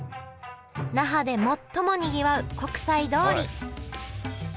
那覇で最もにぎわう国際通り。